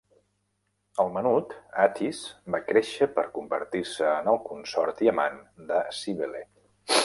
El menut, Atis, va créixer per convertir-se en el consort i amant de Cíbele.